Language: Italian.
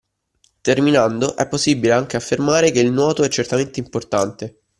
Terminando è possibile anche affermare che il nuoto è certamente importante.